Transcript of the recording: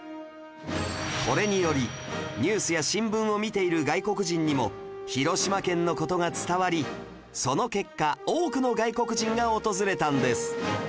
これによりニュースや新聞を見ている外国人にも広島県の事が伝わりその結果多くの外国人が訪れたんです